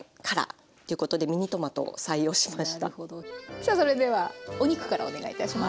さあそれではお肉からお願いいたします。